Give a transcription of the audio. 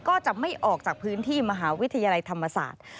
ก็จะไม่ออกจากพื้นที่มหาวิทยาลัยธรรมศาสตร์